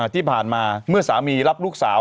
ที่ผ่านมาเมื่อสามีรับลูกสาว